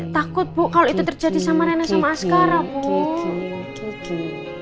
takut bu kalau itu terjadi sama rena sama askara bu